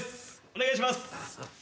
お願いします。